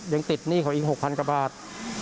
ยังติดหนี้เขาอีก๖๐๐กว่าบาท